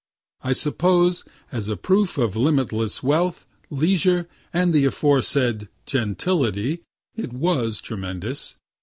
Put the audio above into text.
I suppose, as a proof of limitless wealth, leisure, and the aforesaid "gentility," it was tremendous.